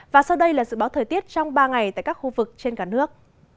và sau đây là dự báo thời tiết trong ba ngày tại các khu vực trên cả nước